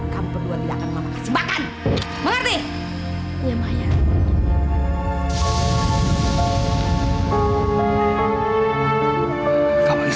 kamu berdua tidak akan mama kasih